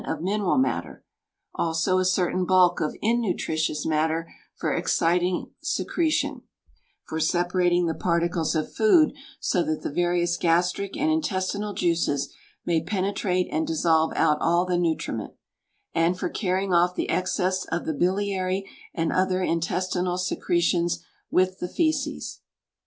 of mineral matter; also a certain bulk of innutritious matter for exciting secretion, for separating the particles of food so that the various gastric and intestinal juices may penetrate and dissolve out all the nutriment, and for carrying off the excess of the biliary and other intestinal secretions with the fæces.